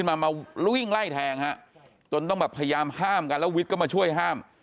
มามาวิ่งไล่แทงฮะจนต้องแบบพยายามห้ามกันแล้ววิทย์ก็มาช่วยห้าม